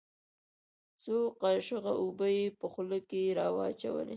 څو کاشوغه اوبه يې په خوله کښې راواچولې.